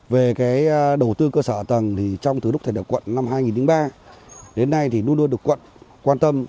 về đầu tư cơ sở tầng từ lúc được quận năm hai nghìn ba đến nay luôn luôn được quận quan tâm